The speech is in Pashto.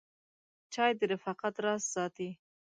چای د رفاقت راز ساتي.